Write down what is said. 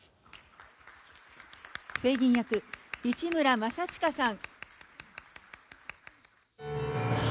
フェイギン役、市村正親さん。